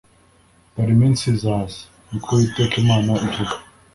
“Dore iminsi izaza, ni ko Uwiteka Imana ivuga